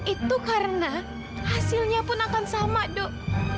itu karena hasilnya pun akan sama dok